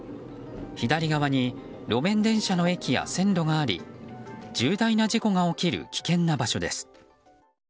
左側に路面電車の駅や線路があり重大な事故が起きる危険な場所です。